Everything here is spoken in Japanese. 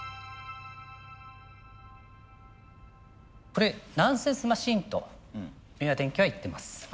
これナンセンスマシーンと明和電機は言ってます。